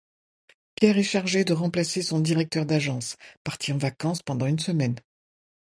Pierre est chargé de remplacer son directeur d’agence, parti en vacances pendant une semaine.